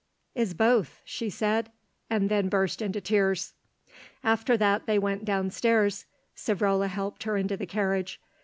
"Is both," she said, and then burst into tears. After that they went down stairs. Savrola helped her into the carriage.